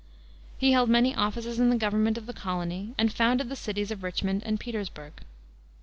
He held many offices in the government of the colony, and founded the cities of Richmond and Petersburg.